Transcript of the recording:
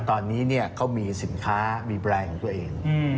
ตอนนี้เขามีสินค้ามีแบรนด์ของตัวเอง